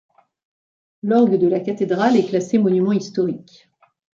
L'orgue de la cathédrale est classé monument historique.